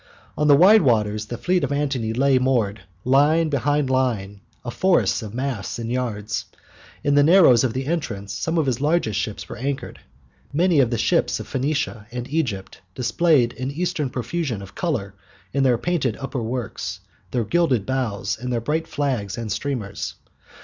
On the wide waters the fleet of Antony lay moored, line behind line, a forest of masts and yards. In the narrows of the entrance some of his largest ships were anchored. Many of the ships of Phoenicia and Egypt displayed an Eastern profusion of colour in their painted upper works, their gilded bows, and their bright flags and streamers.